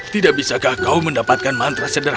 maka kau akan memberikan makhluk yang sesuai